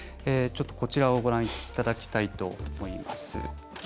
こちらをご覧いただきたいと思います。